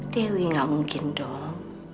dewi gak mungkin dong